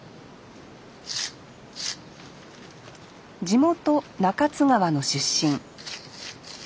地元中津川の出身。